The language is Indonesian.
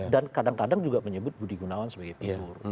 dan kadang kadang juga menyebut budi gunawan sebagai figur